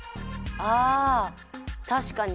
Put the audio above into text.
あたしかに！